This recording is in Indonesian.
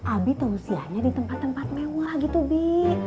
abi tuh usianya di tempat tempat mewah gitu bi